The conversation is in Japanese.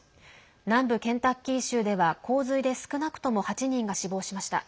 南部ケンタッキー州では洪水で少なくとも８人が死亡しました。